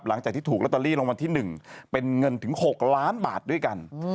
หลังจากที่ถูกระตารีลดที่๑เป็นเงินถึง๖ล้านบาทด้วยกัน